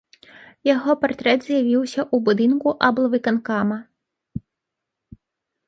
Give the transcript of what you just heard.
Яго партрэт з'явіўся ў будынку аблвыканкама.